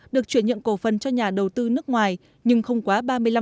được chuyển nhượng cổ phân cho nhà đầu tư nước ngoài nhưng không quá ba mươi năm